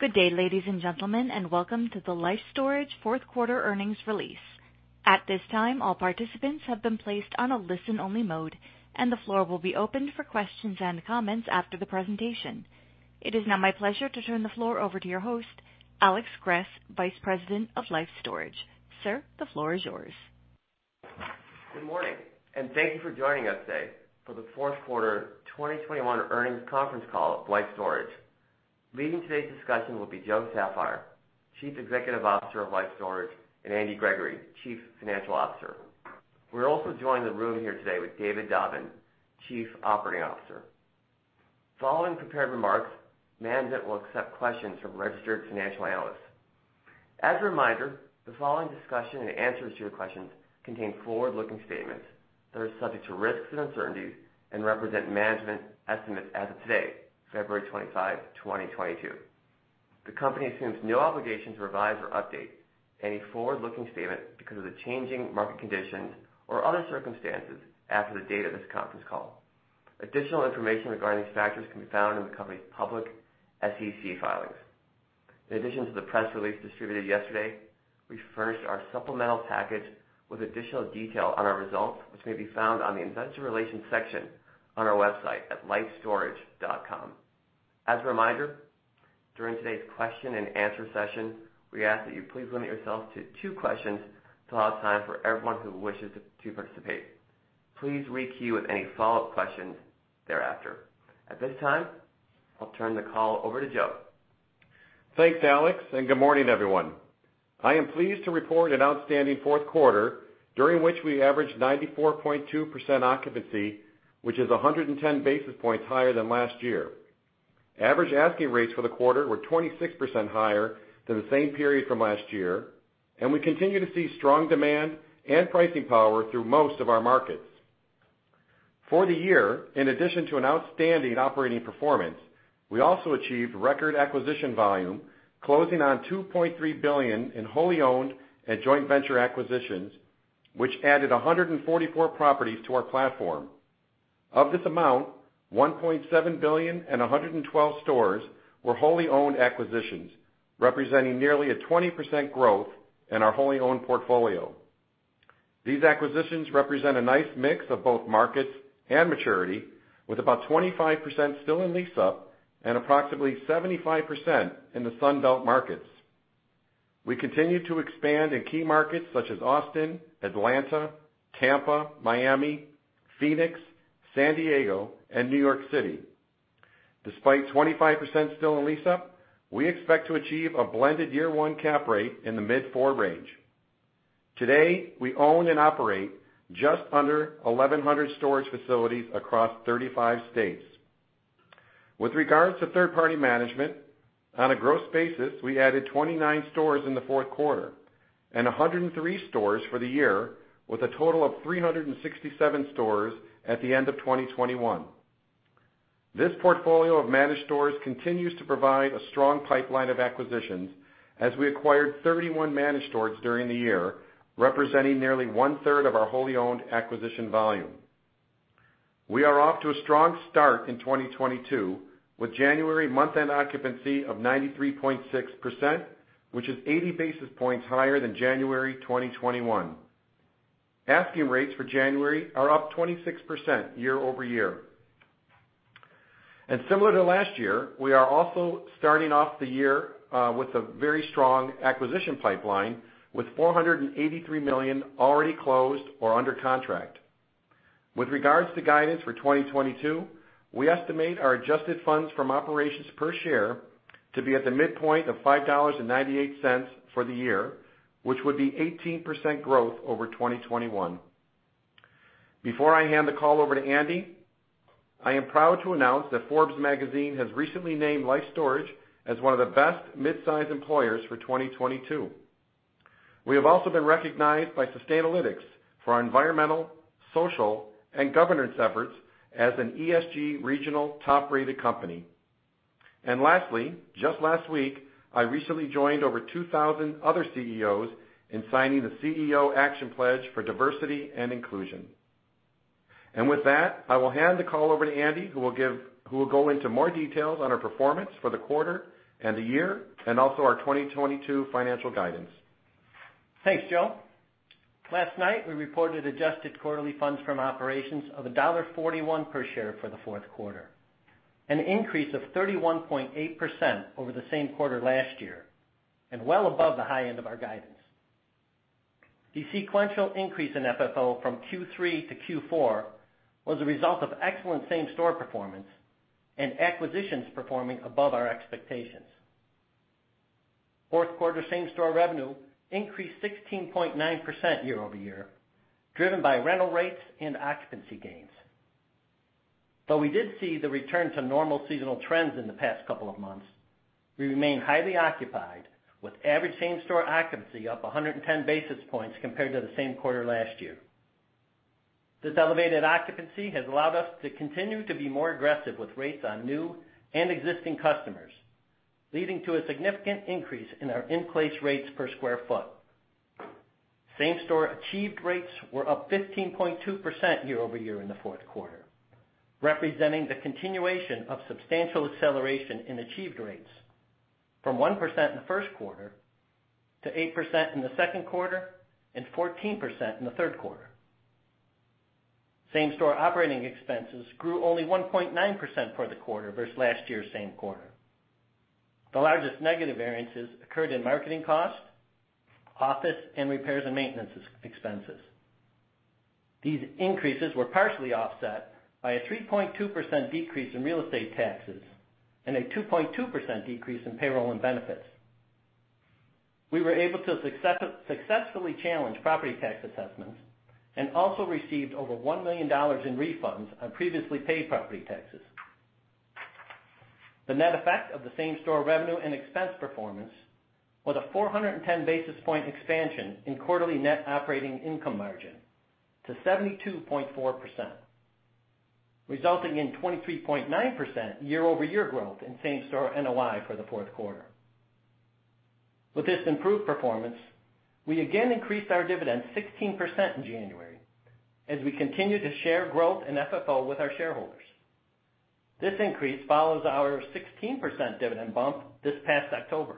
Good day, ladies, and gentlemen, and welcome to the Life Storage Fourth Quarter Earnings Release. At this time, all participants have been placed on a listen-only mode, and the floor will be opened for questions and comments after the presentation. It is now my pleasure to turn the floor over to your host, Alex Gress, Vice President of Life Storage. Sir, the floor is yours. Good morning, and thank you for joining us today for the Fourth Quarter 2021 Earnings Conference Call of Life Storage. Leading today's discussion will be Joe Saffire, Chief Executive Officer of Life Storage, and Andy Gregoire, Chief Financial Officer. We're also joined in the room here today with David Dodman, Chief Operating Officer. Following prepared remarks, management will accept questions from registered financial analysts. As a reminder, the following discussion and answers to your questions contain forward-looking statements that are subject to risks and uncertainties and represent management estimates as of today, February 25, 2022. The company assumes no obligation to revise or update any forward-looking statement because of the changing market conditions or other circumstances after the date of this conference call. Additional information regarding these factors can be found in the company's public SEC filings. In addition to the press release distributed yesterday, we furnished our supplemental package with additional detail on our results, which may be found on the investor relations section on our website at lifestorage.com. As a reminder, during today's question-and-answer session, we ask that you please limit yourselves to two questions to allow time for everyone who wishes to participate. Please requeue with any follow-up questions thereafter. At this time, I'll turn the call over to Joe. Thanks, Alex, and good morning, everyone. I am pleased to report an outstanding fourth quarter, during which we averaged 94.2% occupancy, which is 110 basis points higher than last year. Average asking rates for the quarter were 26% higher than the same period from last year, and we continue to see strong demand and pricing power through most of our markets. For the year, in addition to an outstanding operating performance, we also achieved record acquisition volume closing on $2.3 billion in wholly owned and joint venture acquisitions, which added 144 properties to our platform. Of this amount, $1.7 billion and 112 stores were wholly owned acquisitions, representing nearly a 20% growth in our wholly owned portfolio. These acquisitions represent a nice mix of both markets and maturity, with about 25% still in lease-up and approximately 75% in the Sun Belt markets. We continue to expand in key markets such as Austin, Atlanta, Tampa, Miami, Phoenix, San Diego, and New York City. Despite 25% still in lease-up, we expect to achieve a blended year-one cap rate in the mid-four range. Today, we own and operate just under 1,100 storage facilities across 35 states. With regards to third-party management, on a gross basis, we added 29 stores in the fourth quarter and 103 stores for the year, with a total of 367 stores at the end of 2021. This portfolio of managed stores continues to provide a strong pipeline of acquisitions as we acquired 31 managed stores during the year, representing nearly 1/3 of our wholly owned acquisition volume. We are off to a strong start in 2022, with January month-end occupancy of 93.6%, which is 80 basis points higher than January 2021. Asking rates for January are up 26% year-over-year. Similar to last year, we are also starting off the year with a very strong acquisition pipeline, with $483 million already closed or under contract. With regards to guidance for 2022, we estimate our adjusted funds from operations per share to be at the midpoint of $5.98 for the year, which would be 18% growth over 2021. Before I hand the call over to Andy, I am proud to announce that Forbes Magazine has recently named Life Storage as one of the best midsize employers for 2022. We have also been recognized by Sustainalytics for our environmental, social, and governance efforts as an ESG regional top-rated company. Lastly, just last week, I recently joined over 2,000 other CEOs in signing the CEO Action Pledge for Diversity and Inclusion. With that, I will hand the call over to Andy, who will go into more details on our performance for the quarter and the year and also our 2022 financial guidance. Thanks, Joe. Last night, we reported adjusted quarterly funds from operations of $1.41 per share for the fourth quarter, an increase of 31.8% over the same quarter last year, and well above the high end of our guidance. The sequential increase in FFO from Q3-Q4 was a result of excellent same-store performance and acquisitions performing above our expectations. Fourth quarter same-store revenue increased 16.9% year-over-year, driven by rental rates and occupancy gains. Though we did see the return to normal seasonal trends in the past couple of months, we remain highly occupied, with average same-store occupancy up 110 basis points compared to the same quarter last year. This elevated occupancy has allowed us to continue to be more aggressive with rates on new and existing customers, leading to a significant increase in our in-place rates per square foot. Same-store achieved rates were up 15.2% year-over-year in the fourth quarter, representing the continuation of substantial acceleration in achieved rates from 1% in the first quarter to 8% in the second quarter and 14% in the third quarter. Same-store operating expenses grew only 1.9% for the quarter versus last year's same quarter. The largest negative variances occurred in marketing costs, office, and repairs and maintenance expenses. These increases were partially offset by a 3.2% decrease in real estate taxes and a 2.2% decrease in payroll and benefits. We were able to successfully challenge property tax assessments and also received over $1 million in refunds on previously paid property taxes. The net effect of the same-store revenue and expense performance was a 410 basis point expansion in quarterly net operating income margin to 72.4%, resulting in 23.9% year-over-year growth in same-store NOI for the fourth quarter. With this improved performance, we again increased our dividend 16% in January as we continue to share growth in FFO with our shareholders. This increase follows our 16% dividend bump this past October.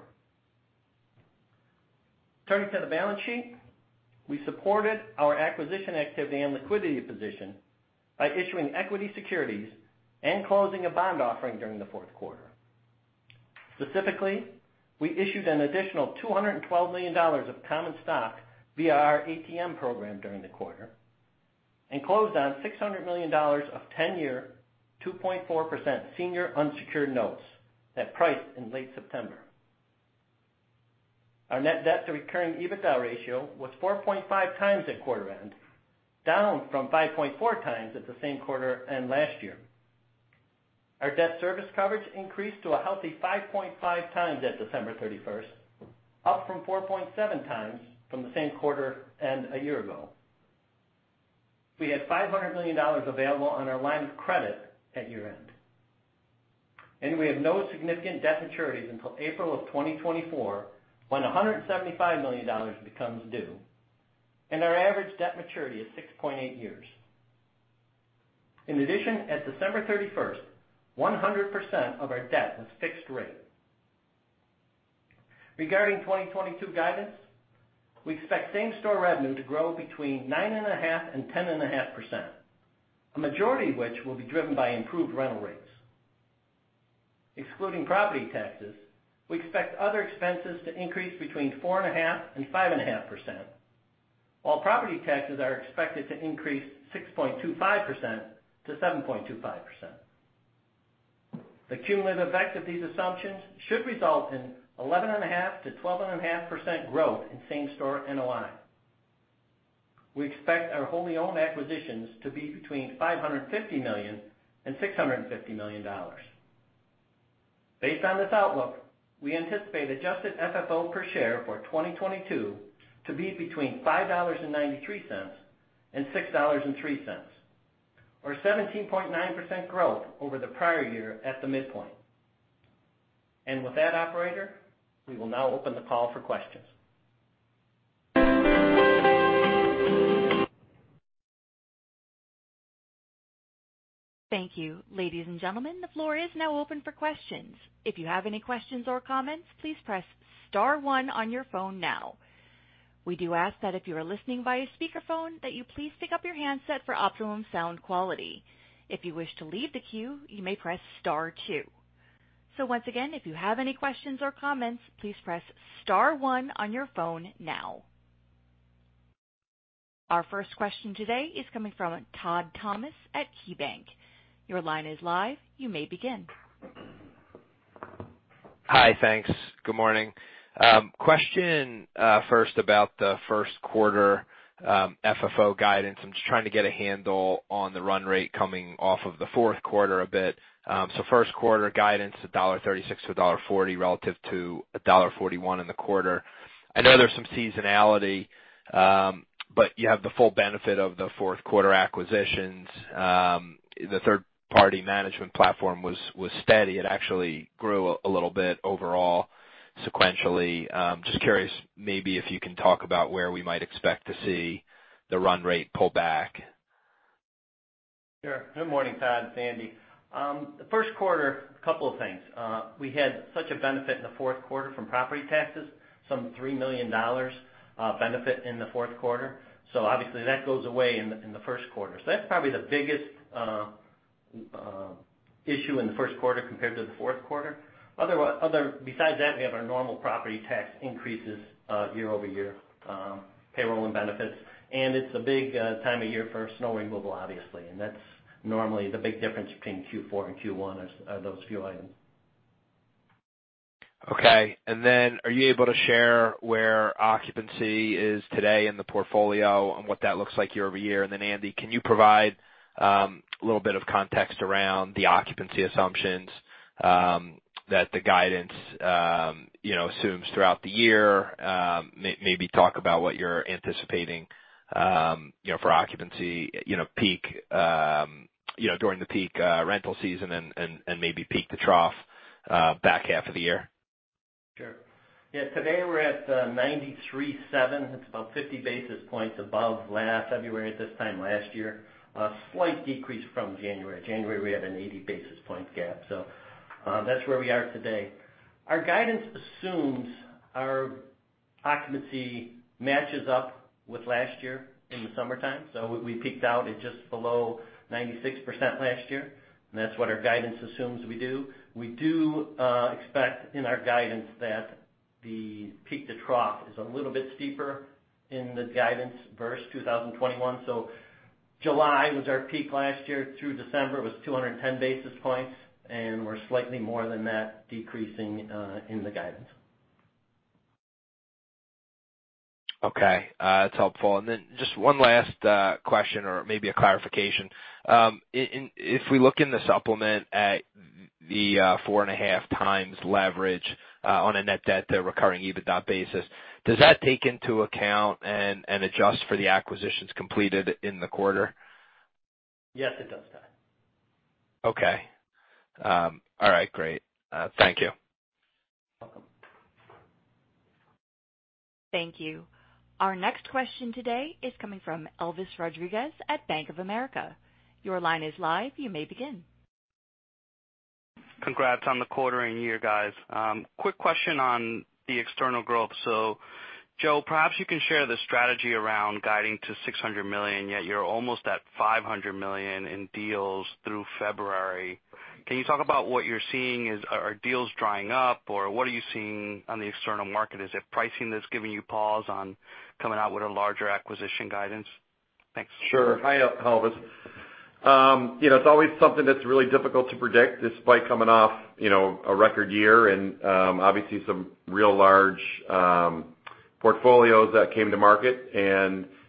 Turning to the balance sheet. We supported our acquisition activity and liquidity position by issuing equity securities and closing a bond offering during the fourth quarter. Specifically, we issued an additional $212 million of common stock via our ATM program during the quarter and closed on $600 million of 10-year, 2.4% senior unsecured notes that priced in late September. Our net debt to recurring EBITDA ratio was 4.5x at quarter end, down from 5.4x at the same quarter end last year. Our debt service coverage increased to a healthy 5.5x at December 31st, up from 4.7x from the same quarter end a year ago. We had $500 million available on our line of credit at year-end, and we have no significant debt maturities until April of 2024, when $175 million becomes due, and our average debt maturity is 6.8 years. In addition, at December 31st, 100% of our debt was fixed rate. Regarding 2022 guidance, we expect same-store revenue to grow between 9.5% and 10.5%, a majority of which will be driven by improved rental rates. Excluding property taxes, we expect other expenses to increase between 4.5% and 5.5%, while property taxes are expected to increase 6.25%-7.25%. The cumulative effect of these assumptions should result in 11.5%-12.5% growth in same-store NOI. We expect our wholly-owned acquisitions to be between $550 million and $650 million. Based on this outlook, we anticipate Adjusted FFO per share for 2022 to be between $5.93 and $6.03, or 17.9% growth over the prior year at the midpoint. With that, operator, we will now open the call for questions. Thank you. Ladies, and gentlemen, the floor is now open for questions. If you have any questions or comments, please press star one on your phone now. We do ask that if you are listening by a speakerphone, that you please pick up your handset for optimum sound quality. If you wish to leave the queue, you may press star two. Once again, if you have any questions or comments, please press star one on your phone now. Our first question today is coming from Todd Thomas at KeyBanc Capital Markets. Your line is live. You may begin. Hi. Thanks. Good morning. Question, first about the first quarter, FFO guidance. I'm just trying to get a handle on the run rate coming off of the fourth quarter a bit. So first quarter guidance, $1.36-$1.40 relative to $1.41 in the quarter. I know there's some seasonality, but you have the full benefit of the fourth quarter acquisitions. The third-party management platform was steady. It actually grew a little bit overall sequentially. Just curious, maybe if you can talk about where we might expect to see the run rate pull back. Sure. Good morning, Todd. It's Andy. The first quarter, a couple of things. We had such a benefit in the fourth quarter from property taxes, some $3 million benefit in the fourth quarter. Obviously that goes away in the first quarter. That's probably the biggest issue in the first quarter compared to the fourth quarter. Besides that, we have our normal property tax increases year-over-year, payroll and benefits. It's a big time of year for snow removal, obviously. That's normally the big difference between Q4 and Q1, those few items. Okay. Are you able to share where occupancy is today in the portfolio and what that looks like year-over-year? Andy, can you provide a little bit of context around the occupancy assumptions that the guidance you know assumes throughout the year? Maybe talk about what you're anticipating you know for occupancy, you know peak you know during the peak rental season and maybe peak-to-trough back half of the year? Sure. Yeah, today we're at 93.7%. It's about 50 basis points above last February at this time last year. A slight decrease from January. January, we had an 80 basis points gap, so that's where we are today. Our guidance assumes our occupancy matches up with last year in the summertime, so we peaked out at just below 96% last year, and that's what our guidance assumes we do. We expect in our guidance that the peak to trough is a little bit steeper in the guidance versus 2021. July was our peak last year through December. It was 210 basis points, and we're slightly more than that decreasing in the guidance. Okay. That's helpful. Just one last question or maybe a clarification. If we look in the supplement at the 4.5x leverage on a net debt to recurring EBITDA basis, does that take into account and adjust for the acquisitions completed in the quarter? Yes, it does, Todd. Okay. All right. Great. Thank you. Welcome. Thank you. Our next question today is coming from Elvis Rodriguez at Bank of America. Your line is live. You may begin. Congrats on the quarter and year, guys. Quick question on the external growth. Joe, perhaps you can share the strategy around guiding to $600 million, yet you're almost at $500 million in deals through February. Can you talk about what you're seeing? Are deals drying up, or what are you seeing on the external market? Is it pricing that's giving you pause on coming out with a larger acquisition guidance? Thanks. Sure. Hi, Elvis. You know, it's always something that's really difficult to predict despite coming off, you know, a record year and, obviously some real large portfolios that came to market.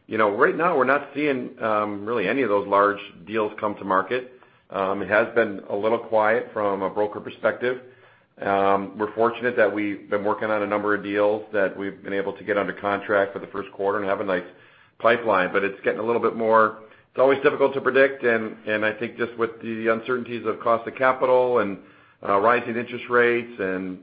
You know, right now we're not seeing really any of those large deals come to market. It has been a little quiet from a broker perspective. We're fortunate that we've been working on a number of deals that we've been able to get under contract for the first quarter and have a nice pipeline, but it's getting a little bit more. It's always difficult to predict and I think just with the uncertainties of cost of capital and rising interest rates and,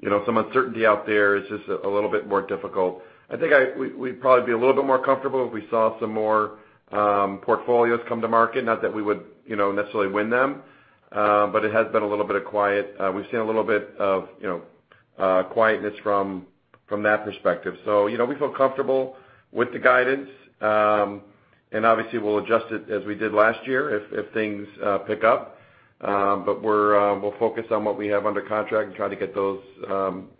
you know, some uncertainty out there, it's just a little bit more difficult. I think we'd probably be a little bit more comfortable if we saw some more portfolios come to market. Not that we would, you know, necessarily win them, but it has been a little bit of quiet. We've seen a little bit of, you know, quietness from that perspective. You know, we feel comfortable with the guidance. Obviously we'll adjust it as we did last year if things pick up. We'll focus on what we have under contract and try to get those,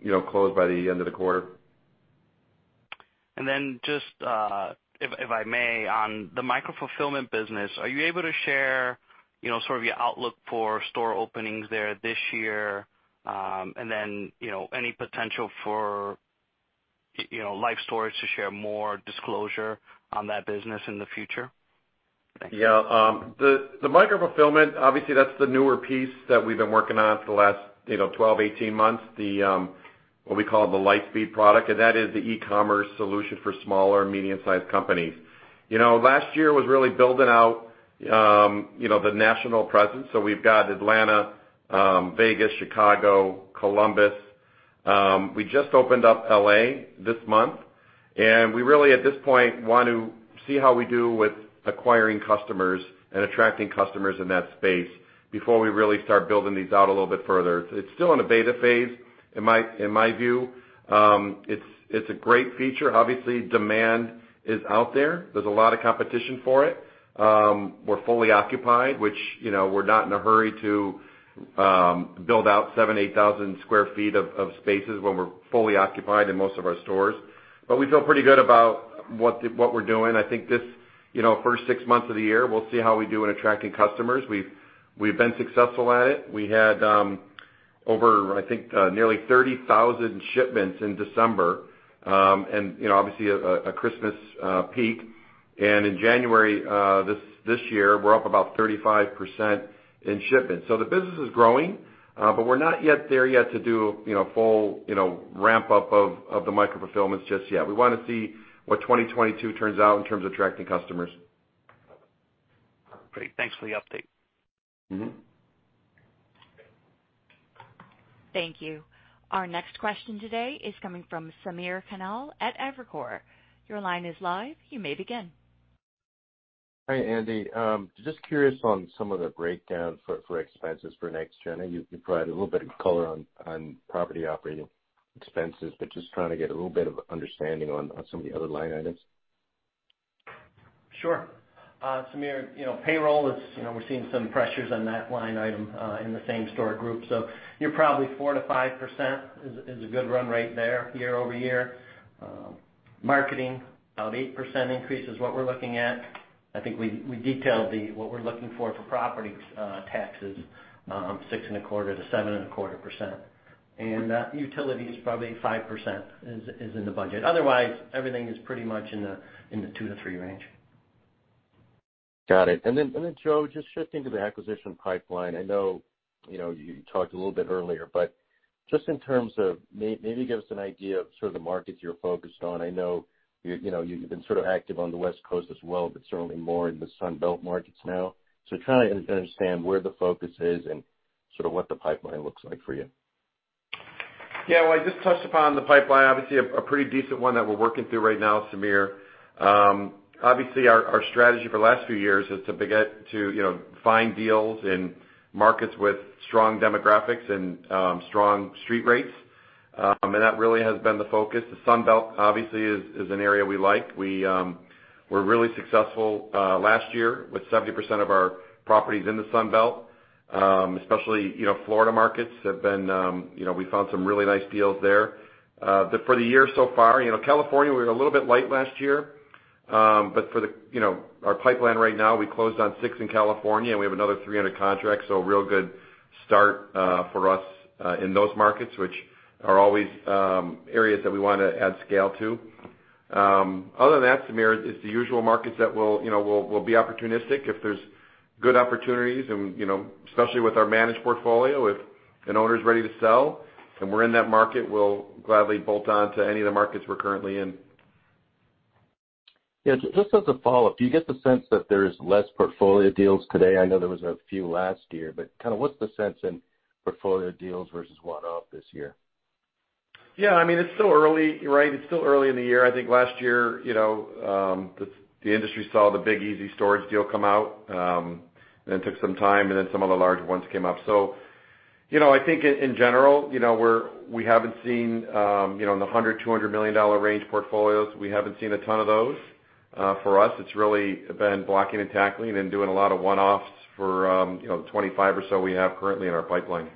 you know, closed by the end of the quarter. Just, if I may, on the micro-fulfillment business, are you able to share, you know, sort of your outlook for store openings there this year? You know, any potential for you know, Life Storage to share more disclosure on that business in the future? Thanks. Yeah. The micro-fulfillment, obviously, that's the newer piece that we've been working on for the last, you know, 12, 18 months, the what we call the Lightspeed product, and that is the e-commerce solution for smaller and medium-sized companies. You know, last year was really building out, you know, the national presence, so we've got Atlanta, Vegas, Chicago, Columbus. We just opened up L.A. this month, and we really at this point want to see how we do with acquiring customers and attracting customers in that space before we really start building these out a little bit further. It's still in a beta phase in my view. It's a great feature. Obviously, demand is out there. There's a lot of competition for it. We're fully occupied, which, you know, we're not in a hurry to build out 7,000-8,000 sq ft of spaces when we're fully occupied in most of our stores. We feel pretty good about what we're doing. I think this, you know, first six months of the year, we'll see how we do in attracting customers. We've been successful at it. We had over, I think, nearly 30,000 shipments in December. And, you know, obviously a Christmas peak. In January this year, we're up about 35% in shipments. The business is growing, but we're not yet there to do, you know, full ramp up of the micro-fulfillments just yet. We wanna see what 2022 turns out in terms of attracting customers. Great. Thanks for the update. Mm-hmm. Thank you. Our next question today is coming from Samir Khanal at Evercore. Your line is live. You may begin. Hi, Andy. Just curious on some of the breakdown for expenses for next year. You provided a little bit of color on property operating expenses, but just trying to get a little bit of understanding on some of the other line items. Sure. Samir, you know, payroll is, you know, we're seeing some pressures on that line item in the same store group. So you're probably 4%-5% is a good run rate there year-over-year. Marketing, about 8% increase is what we're looking at. I think we detailed what we're looking for for property taxes, 6.25%-7.25%. And utilities probably 5% is in the budget. Otherwise, everything is pretty much in the 2%-3% range. Got it. Joe, just shifting to the acquisition pipeline. I know, you know, you talked a little bit earlier, but just in terms of maybe give us an idea of sort of the markets you're focused on. I know you're, you know, you've been sort of active on the West Coast as well, but certainly more in the Sun Belt markets now. Trying to understand where the focus is and sort of what the pipeline looks like for you. Yeah. Well, I just touched upon the pipeline, obviously a pretty decent one that we're working through right now, Samir. Obviously, our strategy for the last few years is to, you know, find deals in markets with strong demographics and strong street rates. That really has been the focus. The Sun Belt, obviously, is an area we like. We were really successful last year with 70% of our properties in the Sun Belt, especially, you know, Florida markets have been, you know, we found some really nice deals there. For the year so far, you know, California, we were a little bit light last year. For the, you know, our pipeline right now, we closed on six in California, and we have another three under contract, so a real good start for us in those markets, which are always areas that we wanna add scale to. Other than that, Samir, it's the usual markets that we'll, you know, be opportunistic. If there's good opportunities and, you know, especially with our managed portfolio, if an owner's ready to sell and we're in that market, we'll gladly bolt on to any of the markets we're currently in. Yeah. Just as a follow-up, do you get the sense that there is less portfolio deals today? I know there was a few last year, but kinda what's the sense in portfolio deals versus one-off this year? Yeah. I mean, it's still early, right? It's still early in the year. I think last year, you know, the industry saw the Big Easy Storage deal come out, and it took some time, and then some of the larger ones came up. You know, I think in general, you know, we haven't seen, you know, in the $100 million-$200 million range portfolios, we haven't seen a ton of those. For us, it's really been blocking and tackling and doing a lot of one-offs for, you know, 25 or so we have currently in our pipeline.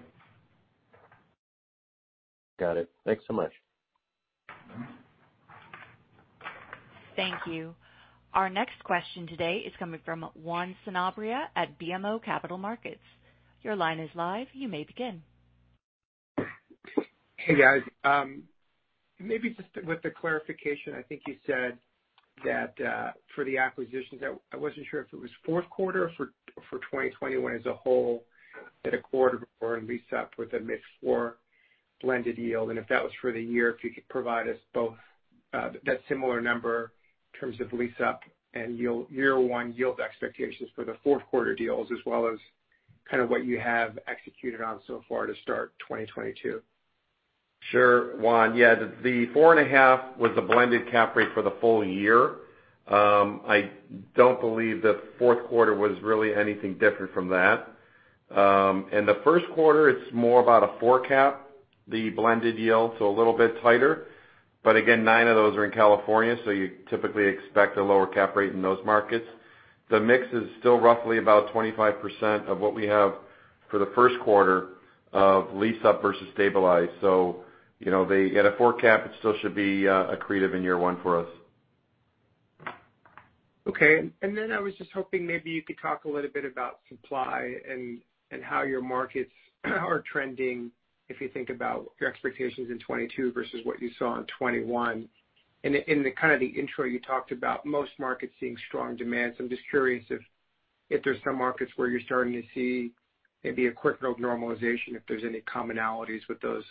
Got it. Thanks so much. Thank you. Our next question today is coming from Juan Sanabria at BMO Capital Markets. Your line is live. You may begin. Hey, guys. Maybe just with the clarification, I think you said that for the acquisitions, I wasn't sure if it was fourth quarter for 2021 as a whole had cap rates for lease-up with a mid-4% blended yield. If that was for the year, if you could provide us with both that similar number in terms of lease-up and yield, year one yield expectations for the fourth quarter deals as well as kind of what you have executed on so far to start 2022? Sure, Juan. Yeah. The 4.5% was the blended cap rate for the full year. I don't believe the fourth quarter was really anything different from that. In the first quarter, it's more about a 4% cap, the blended yield, so a little bit tighter. Again, nine of those are in California, so you typically expect a lower cap rate in those markets. The mix is still roughly about 25% of what we have for the first quarter of lease-up versus stabilized. You know, they get a 4% cap, it still should be accretive in year one for us. Okay. Then I was just hoping maybe you could talk a little bit about supply and how your markets are trending if you think about your expectations in 2022 versus what you saw in 2021. In the kind of the intro you talked about most markets seeing strong demand. I'm just curious if there's some markets where you're starting to see maybe a quick normalization, if there's any commonalities with those,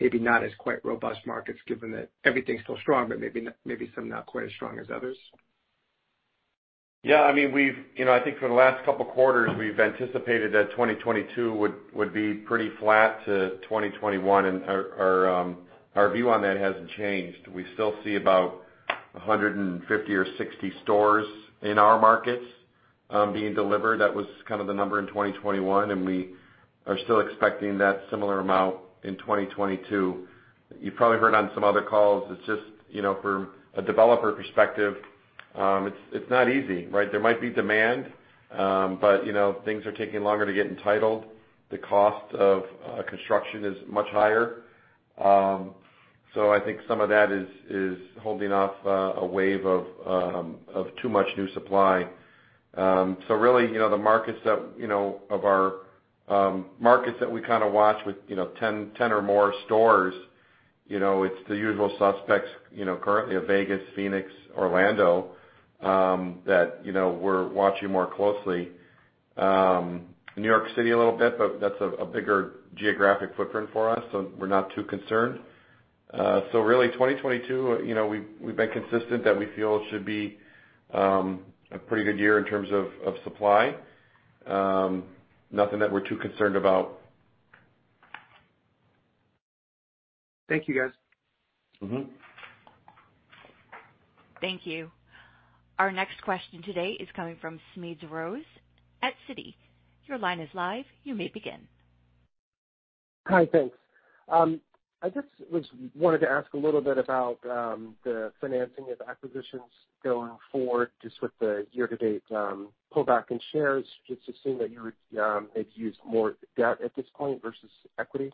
maybe not as quite robust markets, given that everything's still strong, but maybe some not quite as strong as others. Yeah. I mean, we've. You know, I think for the last couple quarters, we've anticipated that 2022 would be pretty flat to 2021, and our our view on that hasn't changed. We still see about 150 or 160 stores in our markets being delivered. That was kind of the number in 2021, and we are still expecting that similar amount in 2022. You probably heard on some other calls, it's just, you know, from a developer perspective, it's not easy, right? There might be demand, but, you know, things are taking longer to get entitled. The cost of construction is much higher. So I think some of that is holding off a wave of too much new supply. Really, you know, the markets that, you know, of our markets that we kind of watch with, you know, 10 or more stores, you know, it's the usual suspects, you know, currently Vegas, Phoenix, Orlando, that, you know, we're watching more closely. New York City a little bit, but that's a bigger geographic footprint for us, so we're not too concerned. Really 2022, you know, we've been consistent that we feel it should be a pretty good year in terms of supply. Nothing that we're too concerned about. Thank you, guys. Mm-hmm. Thank you. Our next question today is coming from Smedes Rose at Citi. Your line is live. You may begin. Hi. Thanks. I just wanted to ask a little bit about the financing of acquisitions going forward, just with the year-to-date pullback in shares. Should we assume that you would maybe use more debt at this point versus equity?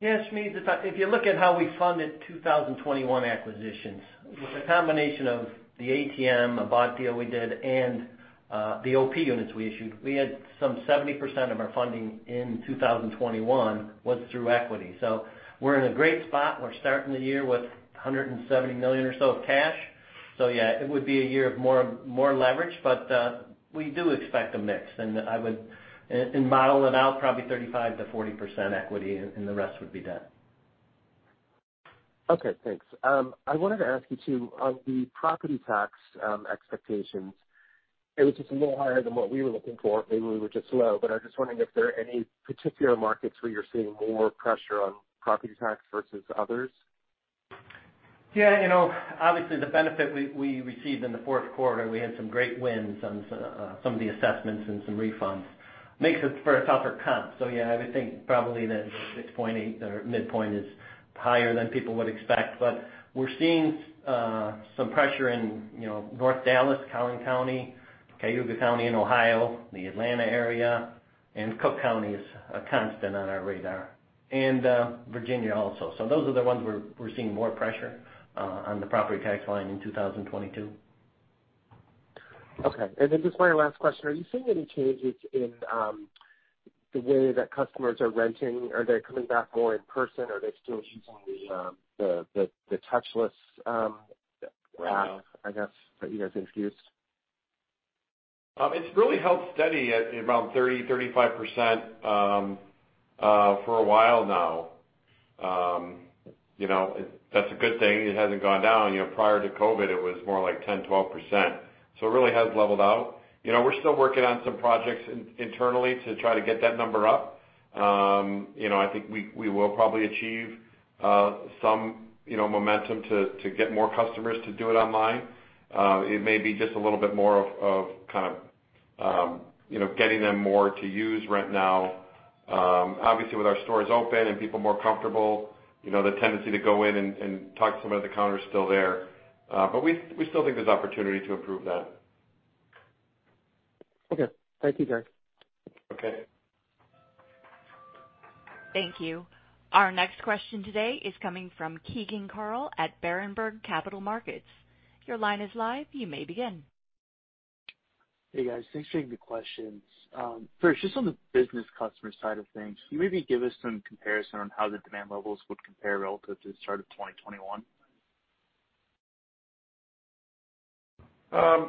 Yeah. Smedes, if you look at how we funded 2021 acquisitions, with a combination of the ATM, a bond deal we did, and the OP units we issued, we had some 70% of our funding in 2021 was through equity. We're in a great spot. We're starting the year with $170 million or so of cash. Yeah, it would be a year of more leverage, but we do expect a mix, and I would in modeling out probably 35%-40% equity and the rest would be debt. Okay, thanks. I wanted to ask you, too, on the property tax expectations. It was just a little higher than what we were looking for. Maybe we were just low, but I'm just wondering if there are any particular markets where you're seeing more pressure on property tax versus others. Yeah, you know, obviously, the benefit we received in the fourth quarter, we had some great wins on some of the assessments and some refunds. Makes it for a tougher comp. Yeah, I would think probably that 6.8% or midpoint is higher than people would expect. But we're seeing some pressure in, you know, North Dallas, Collin County, Cuyahoga County in Ohio, the Atlanta area, and Cook County is a constant on our radar. Virginia also. Those are the ones we're seeing more pressure on the property tax line in 2022. Okay. Just my last question, are you seeing any changes in the way that customers are renting? Are they coming back more in person? Are they still using the touchless app, I guess, that you guys introduced? It's really held steady at around 30-35% for a while now. You know, that's a good thing. It hasn't gone down. You know, prior to COVID, it was more like 10-12%. It really has leveled out. You know, we're still working on some projects internally to try to get that number up. You know, I think we will probably achieve some momentum to get more customers to do it online. It may be just a little bit more of kind of getting them more to use Rent Now. Obviously, with our stores open and people more comfortable, you know, the tendency to go in and talk to someone at the counter is still there. But we still think there's opportunity to improve that. Okay. Thank you, Joe. Okay. Thank you. Our next question today is coming from Keegan Carl at Berenberg Capital Markets. Your line is live. You may begin. Hey, guys. Thanks for taking the questions. First, just on the business customer side of things, can you maybe give us some comparison on how the demand levels would compare relative to the start of 2021?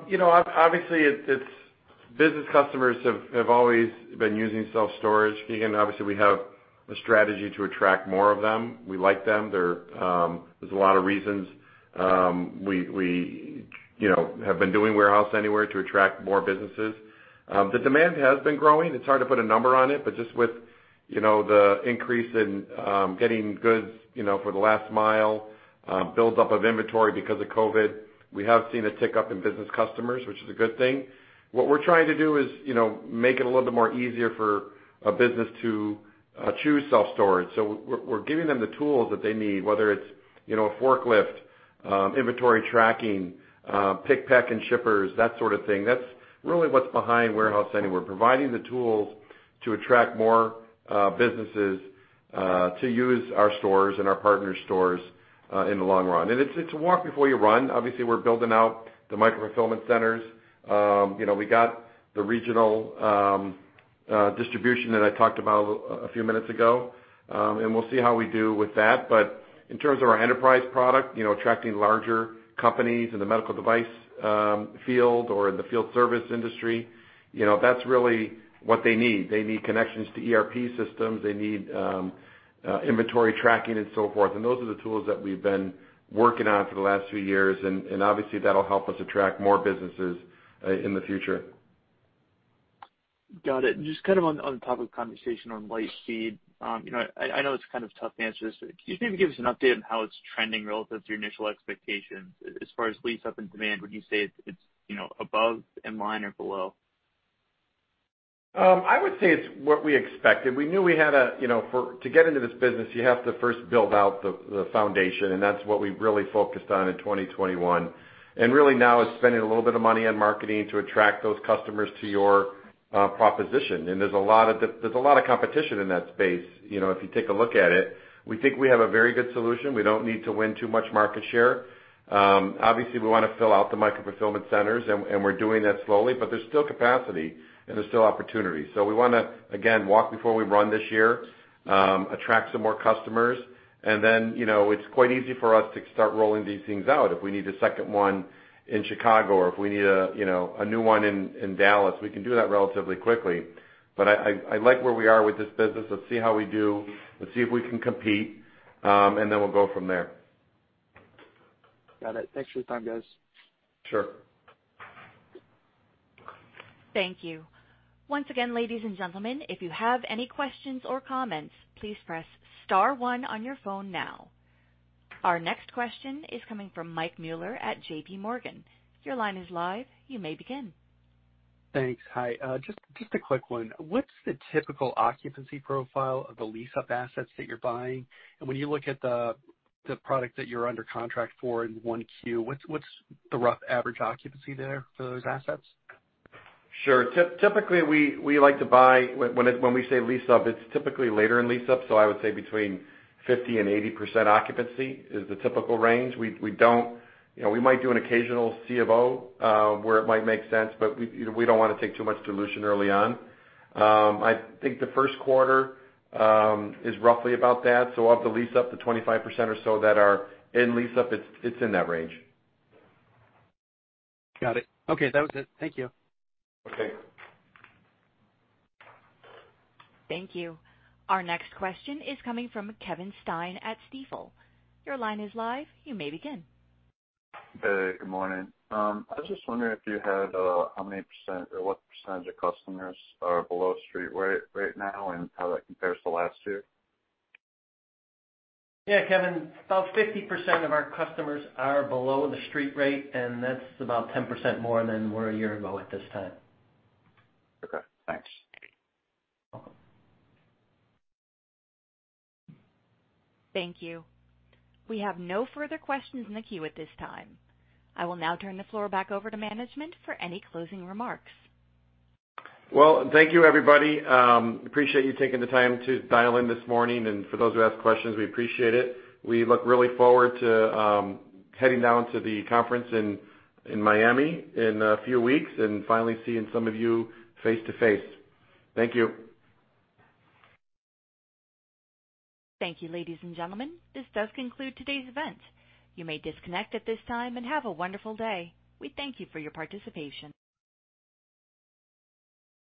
You know, obviously, business customers have always been using self-storage, Keegan. Obviously, we have a strategy to attract more of them. We like them. There's a lot of reasons we, you know, have been doing Warehouse Anywhere to attract more businesses. The demand has been growing. It's hard to put a number on it, but just with, you know, the increase in getting goods, you know, for the last mile, build up of inventory because of COVID, we have seen a tick up in business customers, which is a good thing. What we're trying to do is, you know, make it a little bit more easier for a business to choose self-storage. We're giving them the tools that they need, whether it's, you know, a forklift, inventory tracking, pick, pack, and shippers, that sort of thing. That's really what's behind Warehouse Anywhere, providing the tools to attract more businesses to use our stores and our partner stores in the long run. It's walk before you run. Obviously, we're building out the micro-fulfillment centers. You know, we got the regional distribution that I talked about a few minutes ago, and we'll see how we do with that. But in terms of our enterprise product, you know, attracting larger companies in the medical device field or in the field service industry, you know, that's really what they need. They need connections to ERP systems. They need inventory tracking and so forth. Those are the tools that we've been working on for the last few years. Obviously, that'll help us attract more businesses in the future. Got it. Just kind of on the topic of conversation on Lightspeed, you know, I know it's kind of tough to answer this, but can you maybe give us an update on how it's trending relative to your initial expectations as far as lease-up and demand? Would you say it's you know, above, in line, or below? I would say it's what we expected. We knew we had to get into this business, you know. To get into this business, you have to first build out the foundation, and that's what we really focused on in 2021. Really now it's spending a little bit of money on marketing to attract those customers to your proposition. There's a lot of competition in that space, you know, if you take a look at it. We think we have a very good solution. We don't need to win too much market share. Obviously, we wanna fill out the micro-fulfillment centers and we're doing that slowly, but there's still capacity, and there's still opportunity. We wanna, again, walk before we run this year, attract some more customers, and then, you know, it's quite easy for us to start rolling these things out. If we need a second one in Chicago or if we need a, you know, a new one in Dallas, we can do that relatively quickly. But I like where we are with this business. Let's see how we do. Let's see if we can compete, and then we'll go from there. Got it. Thanks for your time, guys. Sure. Thank you. Once again, ladies, and gentlemen, if you have any questions or comments, please press star one on your phone now. Our next question is coming from Mike Mueller at JPMorgan. Your line is live. You may begin. Thanks. Hi. Just a quick one. What's the typical occupancy profile of the lease-up assets that you're buying? And when you look at the product that you're under contract for in 1Q, what's the rough average occupancy there for those assets? Sure. Typically, we like to buy. When we say lease-up, it's typically later in lease-up. I would say between 50% and 80% occupancy is the typical range. We don't. You know, we might do an occasional C of O where it might make sense, but you know, we don't wanna take too much dilution early on. I think the first quarter is roughly about that. Of the lease-up to 25% or so that are in lease-up, it's in that range. Got it. Okay. That was it. Thank you. Okay. Thank you. Our next question is coming from Kevin Stein at Stifel. Your line is live. You may begin. Hey, good morning. I was just wondering if you had how many % or what % of customers are below street rate right now and how that compares to last year? Yeah, Kevin. About 50% of our customers are below the street rate, and that's about 10% more than were a year ago at this time. Okay, thanks. Welcome. Thank you. We have no further questions in the queue at this time. I will now turn the floor back over to management for any closing remarks. Well, thank you, everybody. Appreciate you taking the time to dial in this morning. For those who asked questions, we appreciate it. We look really forward to heading down to the conference in Miami in a few weeks and finally seeing some of you face-to-face. Thank you. Thank you, ladies, and gentlemen. This does conclude today's event. You may disconnect at this time, and have a wonderful day. We thank you for your participation.